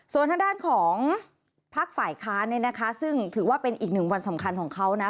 ส่วนทางด้านของพักฝ่ายค้านเนี่ยนะคะซึ่งถือว่าเป็นอีกหนึ่งวันสำคัญของเขานะ